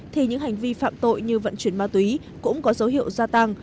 thì những hành vi phạm tội như vận chuyển ma túy cũng có dấu hiệu gia tăng